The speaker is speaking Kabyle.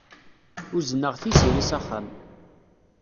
Uzneɣ Tiziri s axxam.